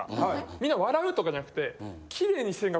みんな笑うとかじゃなくて。